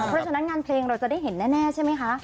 เพราะฉะนั้นงานเพลงเราจะได้เห็นแน่ใช่ไหมคะ